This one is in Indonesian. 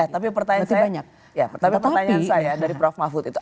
tapi pertanyaan saya dari prof mahfud itu